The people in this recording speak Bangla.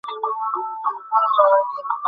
তবে টাকা পাঠিয়ে দিয়েছি।